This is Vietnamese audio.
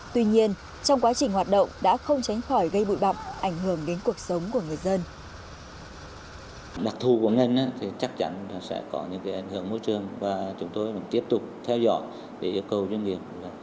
tuy nhiên trong quá trình hoạt động đã không tránh khỏi gây bụi bậm ảnh hưởng đến cuộc sống của người dân